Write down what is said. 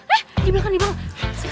eh di belakang di belakang